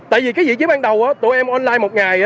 tại vì cái vị trí ban đầu tụi em online một ngày